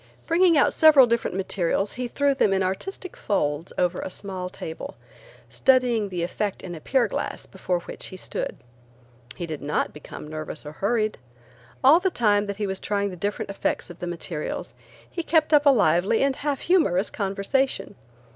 Bringing out several different materials he threw them in artistic folds over a small table, studying the effect in a pier glass before which he stood. He did not become nervous or hurried. All the time that he was trying the different effects of the materials, he kept up a lively and half humorous conversation.